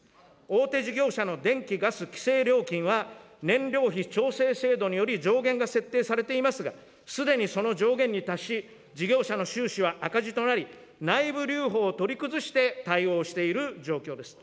大手事業者の電気・ガス規制料金は、燃料費調整制度により上限が設定されていますが、すでにその上限に達し、事業者の収支は赤字となり、内部留保を取り崩して対応している状況です。